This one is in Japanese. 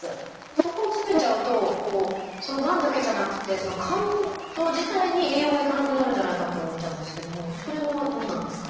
そこを詰めちゃうとそのがんだけじゃなくて肝臓自体に栄養が行かなくなるんじゃないかって思っちゃうんですけどもそれはどうなんですか？